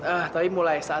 gracias lah kayak kamu